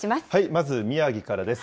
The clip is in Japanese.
まず宮城からです。